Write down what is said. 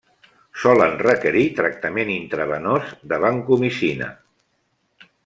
Solen requerir tractament intravenós de vancomicina.